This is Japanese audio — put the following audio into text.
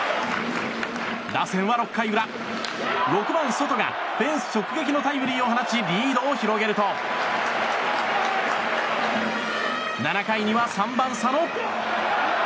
打線は６回裏６番、ソトがフェンス直撃のタイムリーを放ちリードを広げると７回には３番、佐野。